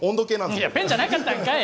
いやペンじゃなかったんかい！